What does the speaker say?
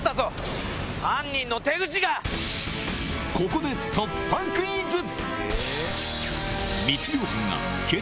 ここで突破クイズ！